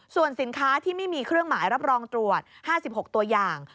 ส่วนสินค้าที่ไม่มีเครื่องหมายรับรองตรวจ๕๖ตัวอย่าง